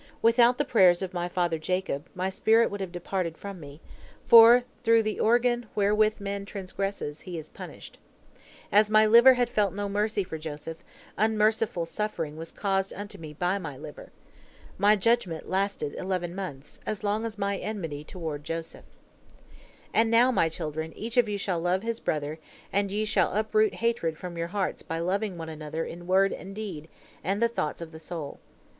Without the prayers of my father Jacob, my spirit would have departed from me, for through the organ wherewith man transgresses, he is punished. As my liver had felt no mercy for Joseph, unmerciful suffering was caused unto me by my liver. My judgment lasted eleven months, as long as my enmity toward Joseph. "And now, my children, each of you shall love his brother, and ye shall uproot hatred from your hearts by loving one another in word and deed and the thoughts of the soul.